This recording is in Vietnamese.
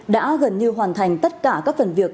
đã gần như hoàn thành tất cả các phần việc